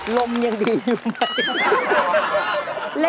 ลมยังดีอยู่